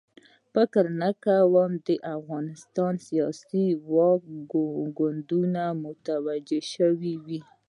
فکر نه کوم د افغانستان سیاسي واک کونډه متوجه شوې وي.